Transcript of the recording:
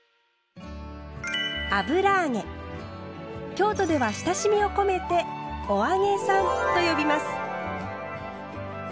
京都では親しみを込めて「お揚げさん」と呼びます。